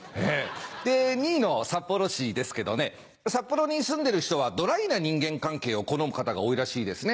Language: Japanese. で２位の札幌市ですけどね札幌に住んでる人はドライな人間関係を好む方が多いらしいですね。